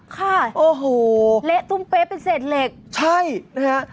ค่ะเละตุ้มเป๊ะเป็นเสดเหล็กโอ้โฮใช่นะครับ